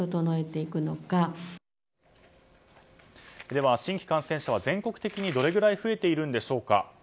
では、新規感染者は全国的にどれくらい増えているんでしょうか。